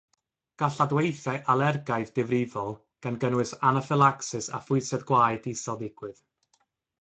Gall adweithiau alergaidd difrifol gan gynnwys anaffylacsis a phwysedd gwaed isel ddigwydd.